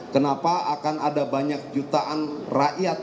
kenapa akan ada banyak jutaan rakyat